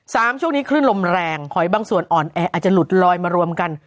ช่วงนี้คลื่นลมแรงหอยบางส่วนอ่อนแออาจจะหลุดลอยมารวมกัน